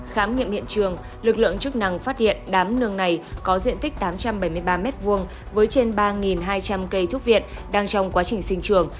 khám nghiệm hiện trường lực lượng chức năng phát hiện đám nương này có diện tích tám trăm bảy mươi ba m hai với trên ba hai trăm linh cây thuốc viện đang trong quá trình sinh trường